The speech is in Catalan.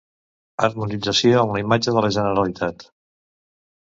Harmonització amb la imatge de la Generalitat.